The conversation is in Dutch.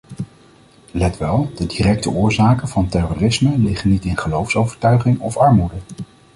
Let wel, de directe oorzaken van terrorisme liggen niet in geloofsovertuiging of armoede.